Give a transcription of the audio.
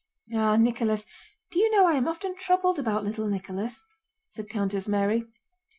"Ah, Nicholas, do you know I am often troubled about little Nicholas," said Countess Mary.